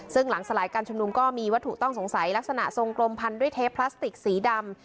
ซึ่งหลังสลายการชุมนุมก็มีวัตถุต้องสงสัยลักษณะทรงกลมพันด้วยเทปพลาสติกสีดำ